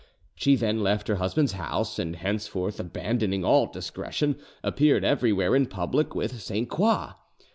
She then left her husband's house, and henceforth abandoning all discretion, appeared everywhere in public with Sainte Croix.